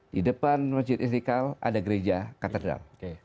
di depan masjid istiqlal ada gereja katedral